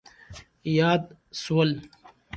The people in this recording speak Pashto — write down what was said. یاد شول.